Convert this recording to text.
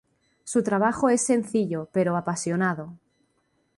Su trabajo es sencillo pero apasionado.